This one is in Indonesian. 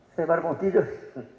saya baru mau tidur